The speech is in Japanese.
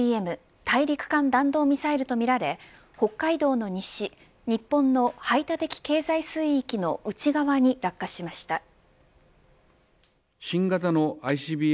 大陸間弾道ミサイルとみられ北海道の西日本の排他的経済水域の内側に落下しました。